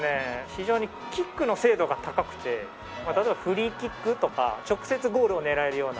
非常にキックの精度が高くて例えばフリーキックとか直接ゴールを狙えるような。